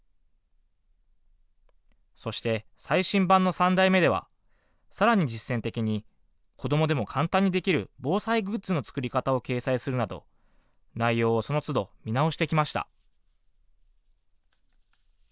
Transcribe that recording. そして最新版の３代目ではさらに実践的に子どもでも簡単にできる防災グッズの作り方を掲載するなど、内容をそのつど見直してきました。